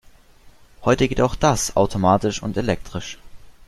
Heute geht auch das automatisch und elektrisch.